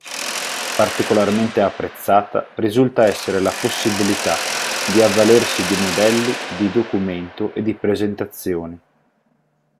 Particolarmente apprezzata risulta essere la possibilità di avvalersi di modelli di documento e di presentazioni.